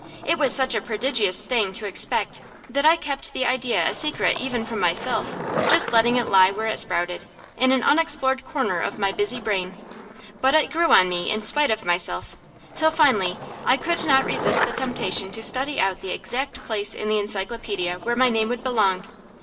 It was such a prodigious thing to expect that I kept the idea a secret even from myself, just letting it lie where it sprouted, in an unexplored corner of my busy brain. But it grew on me in spite of myself, till finally I could not resist the temptation to study out the exact place in the encyclopædia where my name would belong.